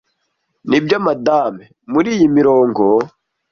nibyo madame muriyi mirongo